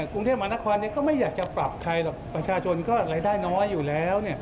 กรุงเทพมหานครก็ไม่อยากจะปรับใครหรอกประชาชนก็รายได้น้อยอยู่แล้ว